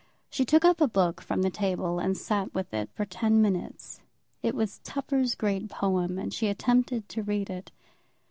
She took up a book from the table and sat with it for ten minutes. It was Tupper's great poem, and she attempted to read it.